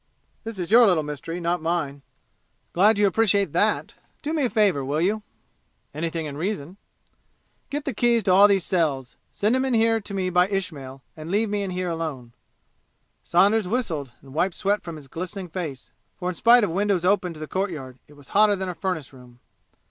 This is your little mystery, not mine!" "Glad you appreciate that! Do me a favor, will you?" "Anything in reason." "Get the keys to all these cells send 'em in here to me by Ismail and leave me in here alone!" Saunders whistled and wiped sweat from his glistening face, for in spite of windows open to the courtyard it was hotter than a furnace room.